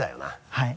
はい。